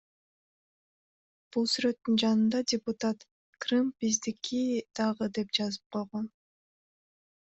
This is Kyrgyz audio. Бул сүрөттүн жанында депутат Крым — биздики дагы деп жазып койгон.